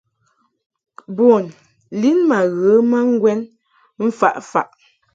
Bun lin ma ghə ma ŋgwɛn mfaʼ faʼ.